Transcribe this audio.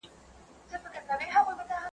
ښکلي سیمي لوی ښارونه یې سور اور کړ.